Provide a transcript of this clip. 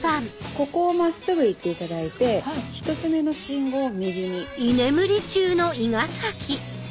ここを真っすぐ行っていただいて１つ目の信号を右に。